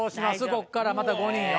こっからまた５人よ。